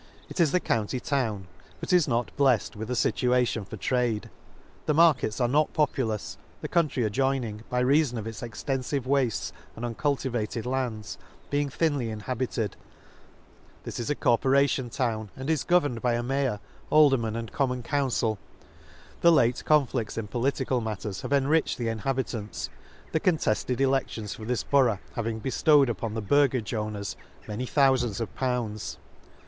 — It is the county town, but is not bleft with a fituation for trade j the markets are not populous, the country adjoining, by reafon of its extenfive waftes and uncultivated lands, being; thinly inhabited.— This is a corporation town. 40 An Excursion to town, and is governed by a mayor, al dermen, and common council. — The late conflicts in political matters have enriched the inhabitants, the contefted eledlion for this Borough having bellowed upon the burgage owners many thoufands of pounds.